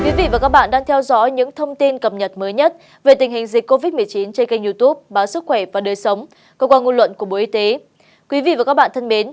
quý vị và các bạn đang theo dõi những thông tin cập nhật mới nhất về tình hình dịch covid một mươi chín trên kênh youtube báo sức khỏe và đời sống cơ quan ngôn luận của bộ y tế